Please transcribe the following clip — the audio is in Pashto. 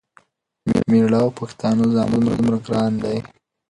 مېړه او پښتانه ځامنو ته دومره ګران دی،